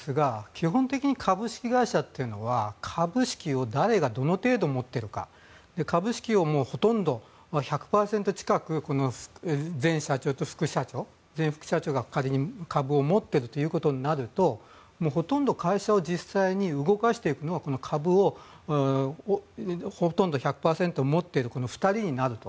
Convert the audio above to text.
基本的に株式会社というのは株式を誰が、どの程度持っているか株式をほとんど１００％近く前社長と前副社長仮に株を持っているとなるとほとんど会社を実際に動かしていくのは株をほとんど１００％持っているこの２人になると。